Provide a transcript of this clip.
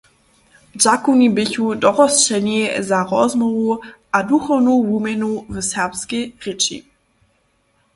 Dźakowni běchu dorosćeni za rozmołwy a duchownu wuměnu w serbskej rěči.